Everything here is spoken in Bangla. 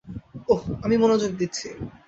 ওহ, আমি মনোযোগ দিচ্ছি।